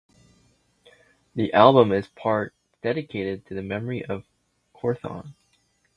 The album is in part dedicated to the memory of Quorthon.